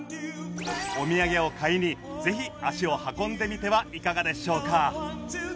お土産を買いにぜひ足を運んでみてはいかがでしょうか。